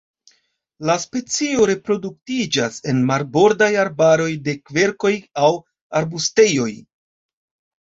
La specio reproduktiĝas en marbordaj arbaroj de kverkoj aŭ arbustejoj.